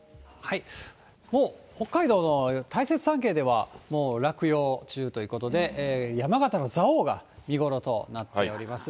もう北海道の大雪山系ではもう落葉中ということで、山形の蔵王が見頃となっております。